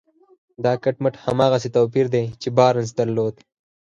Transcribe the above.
دا کټ مټ هماغسې توپير دی چې بارنس درلود.